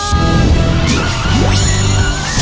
โดยการตอบคำถามให้ถูกสูงสุดถึงหนึ่งล้านบาท